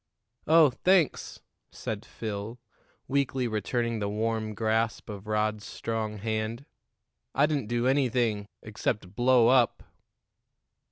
"Oh, thanks," said Phil, weakly returning the warm grasp of Rod's strong hand. "I didn't do anything except blow up."